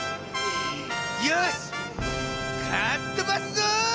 よしかっ飛ばすぞ。